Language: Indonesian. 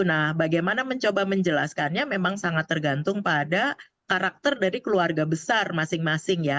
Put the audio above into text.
nah bagaimana mencoba menjelaskannya memang sangat tergantung pada karakter dari keluarga besar masing masing ya